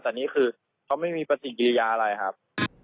แต่นี่คือเขาไม่มีปฏิกิริยาอะไรครับ